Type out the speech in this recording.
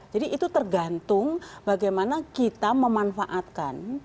jadi itu tergantung bagaimana kita memanfaatkan